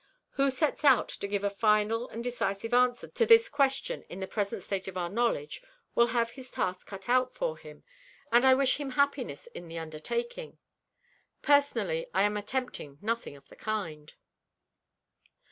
Whoever sets out to give a final and decisive answer to this question in the present state of our knowledge will have his task cut out for him, and I wish him happiness in the undertaking. Personally I am attempting nothing of the kind."